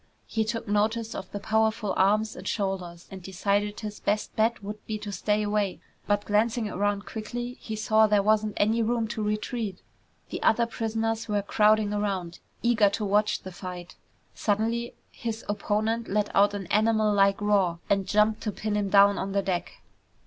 He took notice of the powerful arms and shoulders, and decided his best bet would be to stay away, but glancing around quickly he saw there wasn't any room to retreat. The other prisoners were crowding around, eager to watch the fight. Suddenly his opponent let out an animal like roar and jumped to pin him down on the deck.